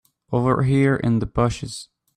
Over here in the bushes.